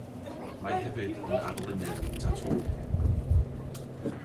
Mae hefyd yn arlunydd tatŵ.